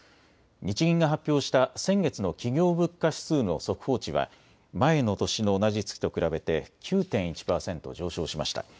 日銀が発表した先月の企業物価指数の速報値は前の年の同じ月と比べて９．１％上昇しました。